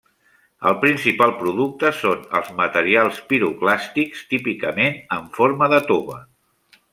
El principal producte són els materials piroclàstics, típicament en forma de tova.